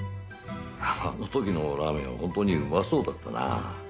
あの時のラーメンは本当にうまそうだったなあ。